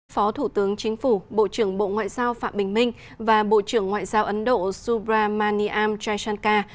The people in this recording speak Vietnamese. phó thủ tướng chính phủ bộ trưởng bộ ngoại giao phạm bình minh và bộ trưởng ngoại giao ấn độ subramaniam chai shankar